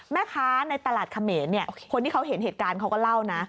แม่ค้าในตลาดเขมรคนที่เขาเห็นเหตุการณ์เขาก็เล่านะ